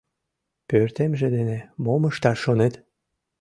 — Пӧртемже дене мом ышташ шонет?